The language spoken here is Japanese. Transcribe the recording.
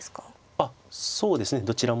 あっそうですねどちらも指されます。